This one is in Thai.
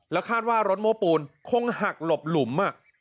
คาดว่ารถโม้ปูนคงหักหลบหลุม